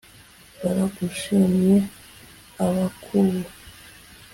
baragushimye abakubu